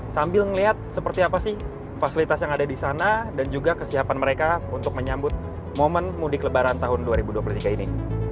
sambil melihat seperti apa sih fasilitas yang ada di sana dan juga kesiapan mereka untuk menyambut momen mudik lebaran tahun dua ribu dua puluh tiga ini